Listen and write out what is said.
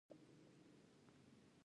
د کندز خربوزې په خوږوالي کې مشهورې دي.